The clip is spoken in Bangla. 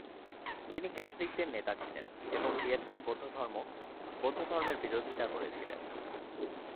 তিনি ক্যাথলিকদের নেতা ছিলেন এবং ভিয়েতনাম বৌদ্ধধর্ম বৌদ্ধধর্মের বিরোধিতা করেছিলেন।